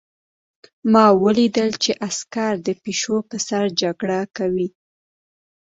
ما ولیدل چې عسکر د پیشو په سر جګړه کوي